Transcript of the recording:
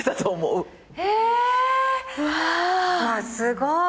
うわすごい！